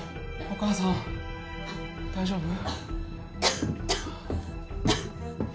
お母さん大丈夫？